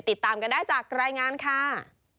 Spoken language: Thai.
ติดตามกันได้จากรายงานค่ะ